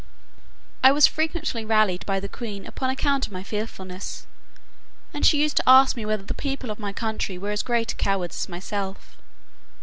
I was frequently rallied by the queen upon account of my fearfulness; and she used to ask me whether the people of my country were as great cowards as myself?